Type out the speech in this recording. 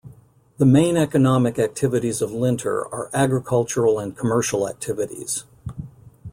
The main economic activities of Linter are agricultural and commercial activities.